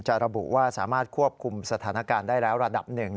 ระบุว่าสามารถควบคุมสถานการณ์ได้แล้วระดับหนึ่ง